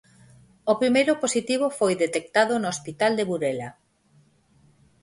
O primeiro positivo foi detectado no hospital de Burela.